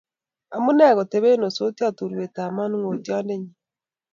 Amune kotebe osotiot urwetab manongotionyi?